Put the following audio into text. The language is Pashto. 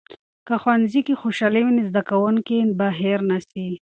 که ښوونځي کې خوشالي وي، زده کوونکي به هیر نسي.